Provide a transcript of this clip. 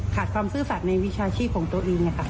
ขาดความซื่อสัตว์ในวิชาชีพของตัวเอง